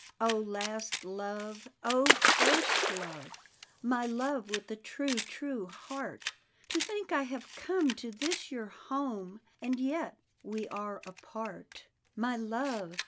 O last love! O first love! My love with the true, true heart, To think I have come to this youi home. And yet — ^we are apart! My love!